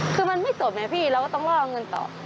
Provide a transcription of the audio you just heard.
คือมันไม่จบไงพี่เราก็ต้องล่อเงินต่อ